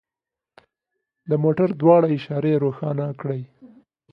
د موټر دواړه اشارې روښانه کړئ